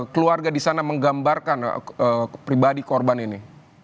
keluarga di sana menggambarkan pribadi korban ini